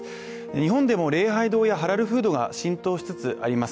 日本でも礼拝堂やハラルフードが浸透しつつあります。